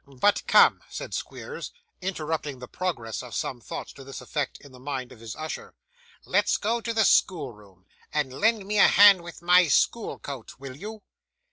'But come,' said Squeers, interrupting the progress of some thoughts to this effect in the mind of his usher, 'let's go to the schoolroom; and lend me a hand with my school coat, will you?